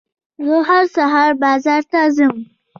زه هر سهار بازار ته ځم.